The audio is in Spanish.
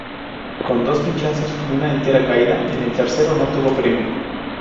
Con dos pinchazos y una entera caída, en el tercero no tuvo premio.